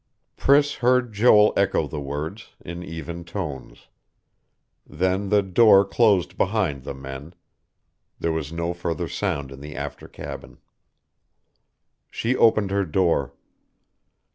Priss heard Joel echo the words, in even tones. Then the door closed behind the men.... There was no further sound in the after cabin. She opened her door.